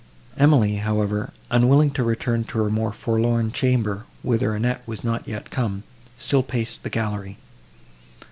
Emily, however, unwilling to return to her more forlorn chamber, whither Annette was not yet come, still paced the gallery.